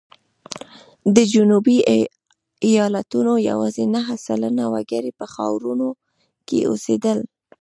د جنوبي ایالتونو یوازې نهه سلنه وګړي په ښارونو کې اوسېدل.